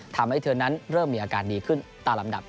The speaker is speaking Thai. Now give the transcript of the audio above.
ทำให้เธอนั้นเริ่มมีอาการดีขึ้นตามลำดับ